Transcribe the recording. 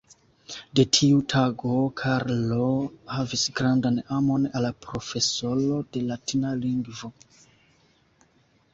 De tiu tago, Karlo havis grandan amon al la profesoro de latina lingvo.